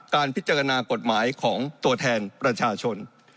การพิจารณากฎหมายของตัวแทนประชาชน